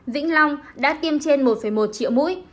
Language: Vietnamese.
vĩnh long đã tiêm trên một một triệu mũi